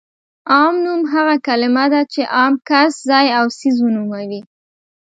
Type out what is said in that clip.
عام نوم هغه کلمه ده چې عام کس، ځای او څیز ونوموي.